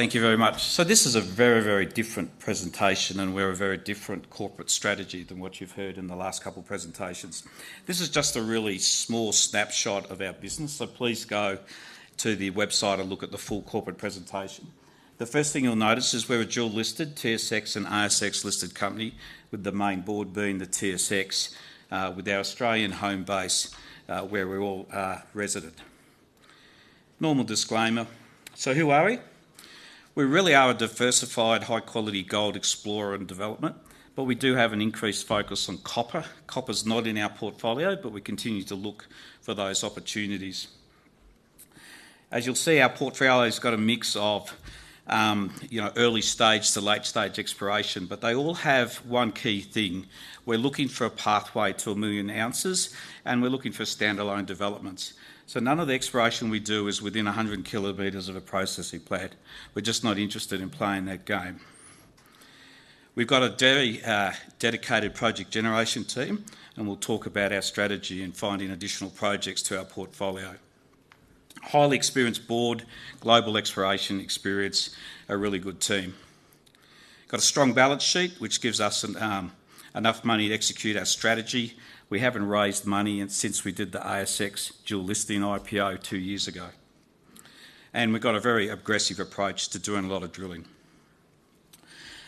Thank you very much, so this is a very, very different presentation, and we're a very different corporate strategy than what you've heard in the last couple of presentations. This is just a really small snapshot of our business, so please go to the website and look at the full corporate presentation. The first thing you'll notice is we're a dual-listed TSX and ASX-listed company, with the main board being the TSX, with our Australian home base where we all are resident. Normal disclaimer, so who are we? We really are a diversified, high-quality gold explorer and developer, but we do have an increased focus on copper. Copper's not in our portfolio, but we continue to look for those opportunities. As you'll see, our portfolio's got a mix of early-stage to late-stage exploration, but they all have one key thing: we're looking for a pathway to a million ounces, and we're looking for standalone developments, so none of the exploration we do is within 100 kilometers of a processing plant. We're just not interested in playing that game. We've got a very dedicated project generation team, and we'll talk about our strategy in finding additional projects to our portfolio. Highly experienced board, global exploration experience, a really good team. Got a strong balance sheet, which gives us enough money to execute our strategy. We haven't raised money since we did the ASX dual-listing IPO two years ago, and we've got a very aggressive approach to doing a lot of drilling,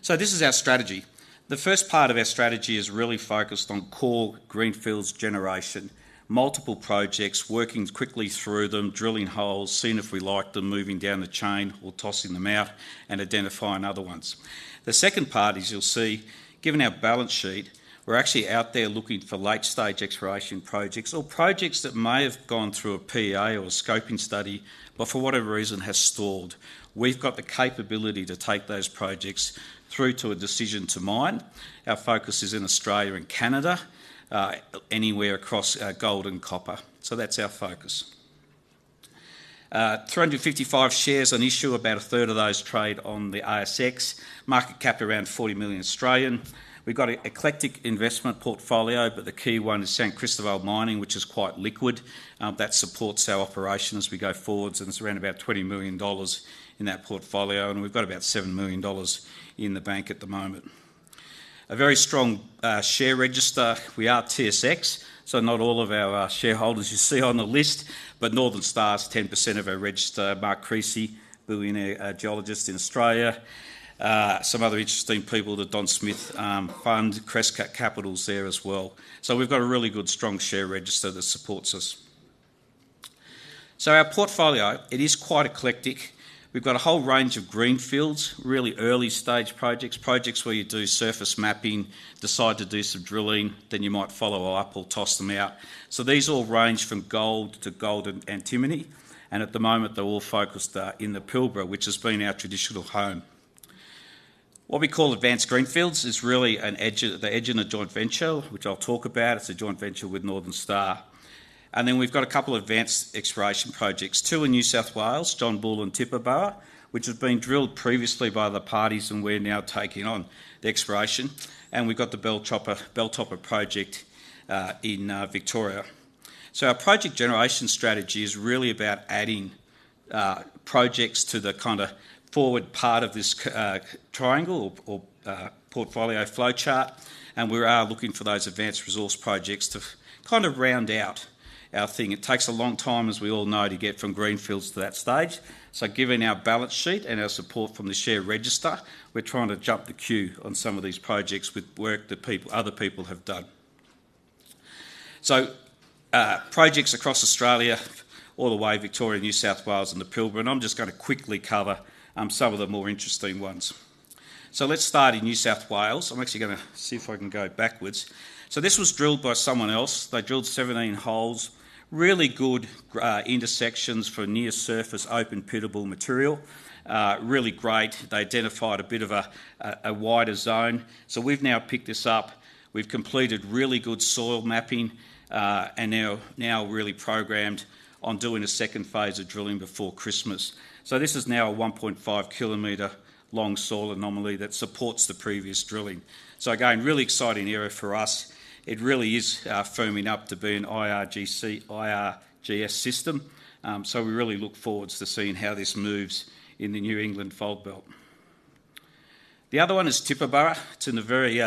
so this is our strategy. The first part of our strategy is really focused on core greenfields generation, multiple projects, working quickly through them, drilling holes, seeing if we like them, moving down the chain, or tossing them out, and identifying other ones. The second part, as you'll see, given our balance sheet, we're actually out there looking for late-stage exploration projects or projects that may have gone through a PA or a scoping study, but for whatever reason have stalled. We've got the capability to take those projects through to a decision to mine. Our focus is in Australia and Canada, anywhere across gold and copper. So that's our focus. 355 shares on issue, about a third of those trade on the ASX. Market cap around 40 million. We've got an eclectic investment portfolio, but the key one is San Cristobal Mining, which is quite liquid. That supports our operation as we go forward, and it's around about 20 million dollars in that portfolio, and we've got about 7 million dollars in the bank at the moment. A very strong share register. We are TSX, so not all of our shareholders you see on the list, but Northern Star's 10% of our register, Mark Creasy, billionaire geologist in Australia. Some other interesting people at the Don Smith Fund, Crescat Capital's there as well. So we've got a really good, strong share register that supports us. So our portfolio, it is quite eclectic. We've got a whole range of greenfields, really early-stage projects, projects where you do surface mapping, decide to do some drilling, then you might follow up or toss them out. So these all range from gold to gold and antimony, and at the moment they're all focused in the Pilbara, which has been our traditional home. What we call advanced greenfields is really the Egina Joint Venture, which I'll talk about. It's a joint venture with Northern Star, and then we've got a couple of advanced exploration projects, two in New South Wales, John Bull and Tibooburra, which have been drilled previously by other parties, and we're now taking on the exploration, and we've got the Belltopper project in Victoria, so our project generation strategy is really about adding projects to the kind of forward part of this triangle or portfolio flow chart, and we are looking for those advanced resource projects to kind of round out our thing. It takes a long time, as we all know, to get from greenfields to that stage. So given our balance sheet and our support from the share register, we're trying to jump the queue on some of these projects with work that other people have done. So projects across Australia, all the way Victoria, New South Wales, and the Pilbara, and I'm just going to quickly cover some of the more interesting ones. So let's start in New South Wales. I'm actually going to see if I can go backwards. So this was drilled by someone else. They drilled 17 holes, really good intersections for near-surface open-pittable material, really great. They identified a bit of a wider zone. So we've now picked this up. We've completed really good soil mapping and now really programmed on doing a second phase of drilling before Christmas. So this is now a 1.5-kilometer-long soil anomaly that supports the previous drilling. So again, really exciting area for us. It really is firming up to be an IRGS system, so we really look forward to seeing how this moves in the New England Fold Belt. The other one is Tibooburra. It's in the very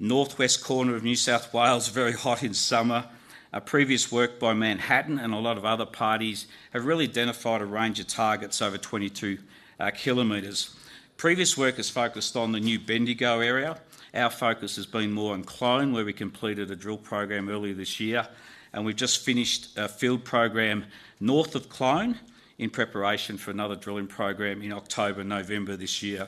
northwest corner of New South Wales, very hot in summer. Previous work by Manhattan and a lot of other parties have really identified a range of targets over 22 kilometers. Previous work has focused on the New Bendigo area. Our focus has been more on Clone, where we completed a drill program earlier this year, and we've just finished a field program north of Clone in preparation for another drilling program in October/November this year.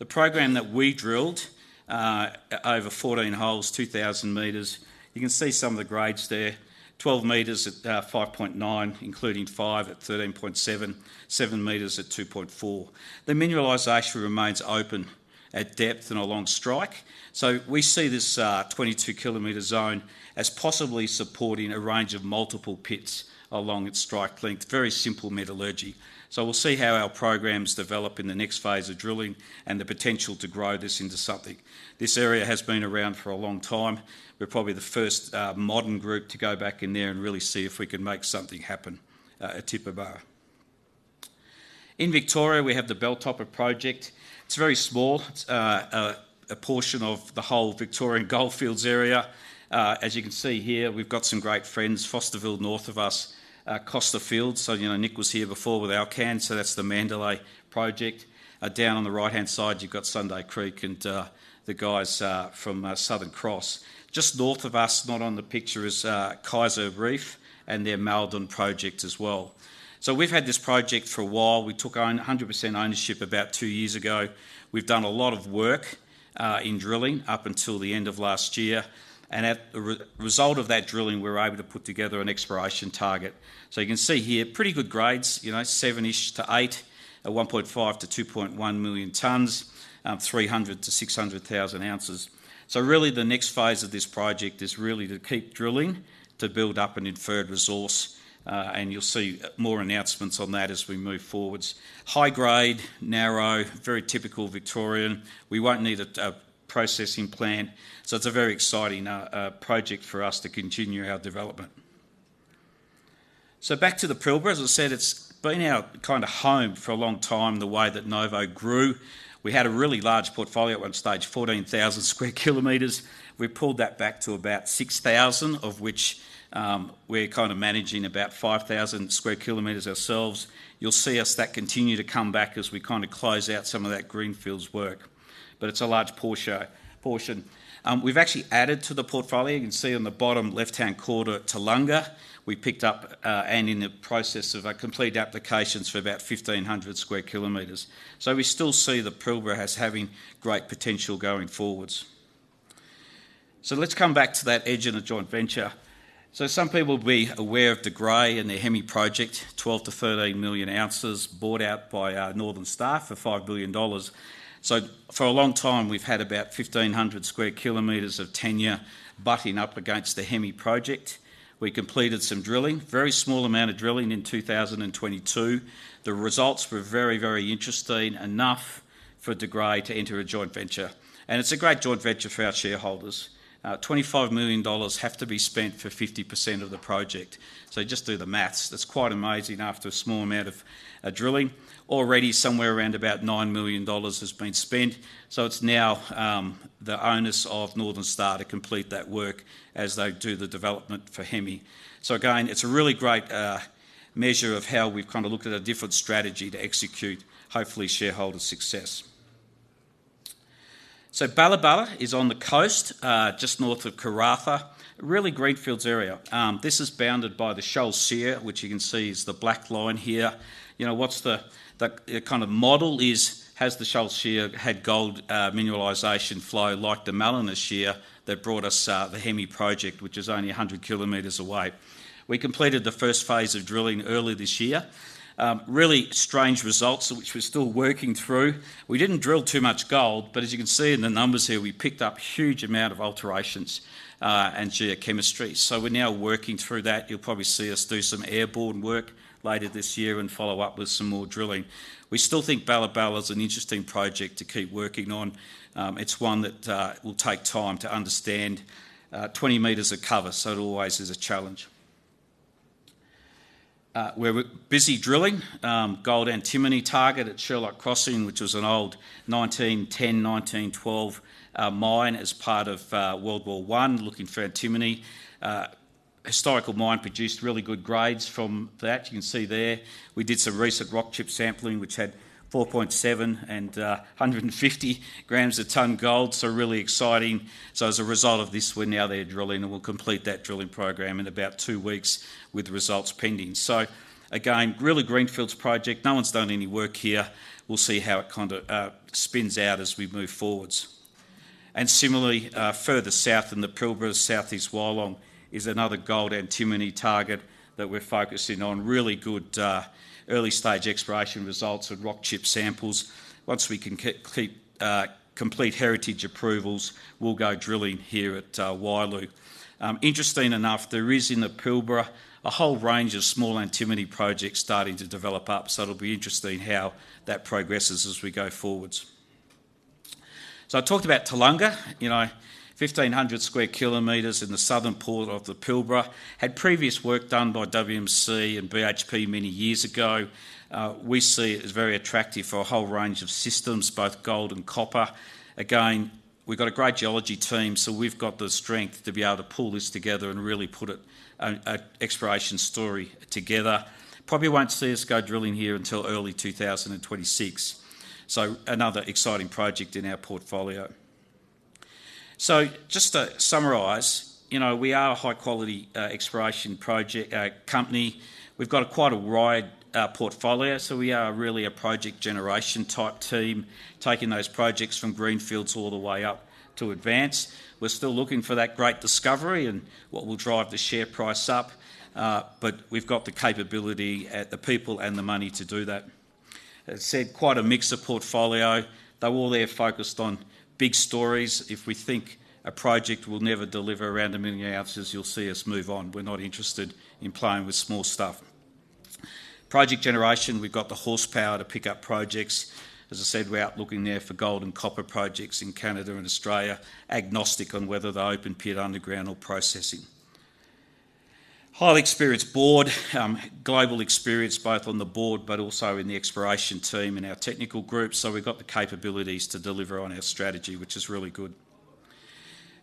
The program that we drilled, over 14 holes, 2,000 meters. You can see some of the grades there: 12 meters at 5.9, including 5 at 13.7, 7 meters at 2.4. The mineralization remains open at depth and along strike. So we see this 22-kilometer zone as possibly supporting a range of multiple pits along its strike length, very simple metallurgy. So we'll see how our programs develop in the next phase of drilling and the potential to grow this into something. This area has been around for a long time. We're probably the first modern group to go back in there and really see if we can make something happen at Tibooburra. In Victoria, we have the Belltopper project. It's very small. It's a portion of the whole Victorian goldfields area. As you can see here, we've got some great friends, Fosterville north of us, Costerfield. So Nick was here before with Alkane, so that's the Mandalay project. Down on the right-hand side, you've got Sunday Creek and the guys from Southern Cross. Just north of us, not on the picture, is Kaiser Reef and their Maldon project as well. So we've had this project for a while. We took 100% ownership about two years ago. We've done a lot of work in drilling up until the end of last year, and as a result of that drilling, we were able to put together an exploration target. So you can see here, pretty good grades, 7-ish to 8, 1.5-2.1 million tonnes, 300,000-600,000 ounces. So really, the next phase of this project is really to keep drilling to build up an inferred resource, and you'll see more announcements on that as we move forwards. High grade, narrow, very typical Victorian. We won't need a processing plant. So it's a very exciting project for us to continue our development. So back to the Pilbara. As I said, it's been our kind of home for a long time, the way that Novo grew. We had a really large portfolio at one stage, 14,000 square kilometers. We pulled that back to about 6,000, of which we're kind of managing about 5,000 square kilometers ourselves. You'll see us that continue to come back as we kind of close out some of that greenfields work, but it's a large portion. We've actually added to the portfolio. You can see on the bottom left-hand corner, Turee Creek. We picked up and in the process of completed applications for about 1,500 square kilometers. So we still see the Pilbara as having great potential going forwards. So let's come back to that Egina joint venture. Some people will be aware of De Grey and the Hemi project, 12 million-13 million ounces, bought out by Northern Star for A$5 billion. For a long time, we've had about 1,500 square kilometers of tenure butting up against the Hemi project. We completed some drilling, very small amount of drilling in 2022. The results were very, very interesting enough for De Grey to enter a joint venture. It is a great joint venture for our shareholders. A$25 million have to be spent for 50% of the project. Just do the math. It is quite amazing after a small amount of drilling. Already, somewhere around about A$9 million has been spent. It is now the onus of Northern Star to complete that work as they do the development for Hemi. So again, it's a really great measure of how we've kind of looked at a different strategy to execute, hopefully, shareholder success. So Balla Balla is on the coast, just north of Karratha, really greenfields area. This is bounded by the Sholl Shear, which you can see is the black line here. What's the kind of model is: has the Sholl Shear had gold mineralization flow like the Mallina Shear that brought us the Hemi project, which is only 100 kilometers away. We completed the first phase of drilling early this year. Really strange results, which we're still working through. We didn't drill too much gold, but as you can see in the numbers here, we picked up a huge amount of alterations and geochemistry. So we're now working through that. You'll probably see us do some airborne work later this year and follow up with some more drilling. We still think Balla Balla's an interesting project to keep working on. It's one that will take time to understand. 20 meters of cover, so it always is a challenge. We're busy drilling. Gold and antimony target at Sherlock Crossing, which was an old 1910, 1912 mine as part of World War I, looking for antimony. Historical mine produced really good grades from that. You can see there. We did some recent rock chip sampling, which had 4.7 and 150 grams a tonne gold, so really exciting. So as a result of this, we're now there drilling, and we'll complete that drilling program in about two weeks with results pending. So again, really greenfields project. No one's done any work here. We'll see how it kind of spins out as we move forwards. Similarly, further south in the Pilbara, South East Wyloo, is another gold antimony target that we're focusing on. Really good early-stage exploration results with rock chip samples. Once we can complete heritage approvals, we'll go drilling here at Wyloo. Interesting enough, there is in the Pilbara a whole range of small antimony projects starting to develop up, so it'll be interesting how that progresses as we go forward. I talked about Turee Creek. 1,500 sq km in the southern part of the Pilbara. Had previous work done by WMC and BHP many years ago. We see it as very attractive for a whole range of systems, both gold and copper. Again, we've got a great geology team, so we've got the strength to be able to pull this together and really put an exploration story together. Probably won't see us go drilling here until early 2026. Another exciting project in our portfolio. Just to summarise, we are a high-quality exploration company. We've got quite a wide portfolio, so we are really a project generation type team, taking those projects from greenfields all the way up to advance. We're still looking for that great discovery and what will drive the share price up, but we've got the capability, the people, and the money to do that. As I said, quite a mixed portfolio. They're all there focused on big stories. If we think a project will never deliver around a million ounces, you'll see us move on. We're not interested in playing with small stuff. Project generation, we've got the horsepower to pick up projects. As I said, we're out looking there for gold and copper projects in Canada and Australia, agnostic on whether they're open pit, underground, or processing. Highly experienced board, global experience both on the board but also in the exploration team and our technical group, so we've got the capabilities to deliver on our strategy, which is really good.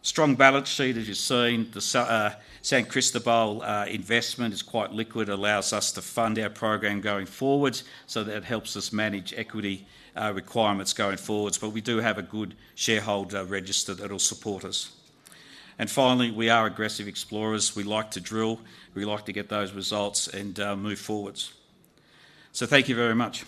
Strong balance sheet, as you've seen. The San Cristobal investment is quite liquid, allows us to fund our program going forward, so that helps us manage equity requirements going forward, but we do have a good shareholder register that'll support us. And finally, we are aggressive explorers. We like to drill. We like to get those results and move forwards. So thank you very much.